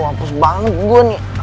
wapus banget gue nih